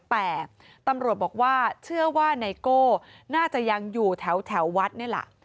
แต่ตำรวจบอกว่าเชื่อว่าไนโก้น่าจะยังอยู่แถววัดนี่แหละ